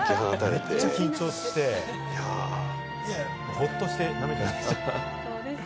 めっちゃ緊張して、ほっとして涙出ちゃった。